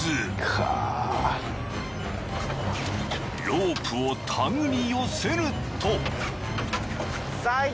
［ロープを手繰り寄せると］